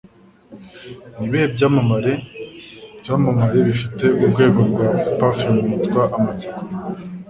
Nibihe Byamamare Byamamare Bifite Urwego rwa Parfum Yitwa "Amatsiko"?